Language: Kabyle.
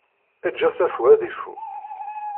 Eǧǧ asafu ad d-ifu!